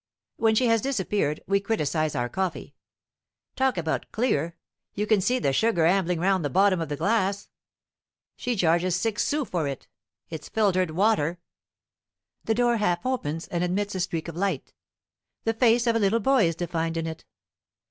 When she has disappeared, we criticize our coffee. "Talk about clear! You can see the sugar ambling round the bottom of the glass." "She charges six sous for it." "It's filtered water." The door half opens, and admits a streak of light. The face of a little boy is defined in it.